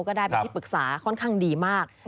ก็ได้เป็นที่ปรึกษาค่อนข้างดีมาก